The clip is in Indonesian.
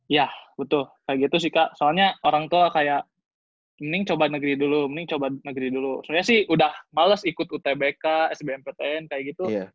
ya butuh kayak gitu sih kak soalnya orang tua kayak mending coba negeri dulu mending coba negeri dulu soalnya sih udah males ikut utbk sbmptn kayak gitu